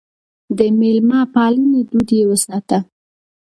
د مېلمه پالنې دود يې وساته.